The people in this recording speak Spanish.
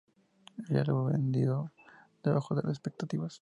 El álbum vendió debajo de las expectativas.